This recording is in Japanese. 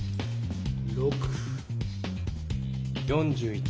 ６。４１。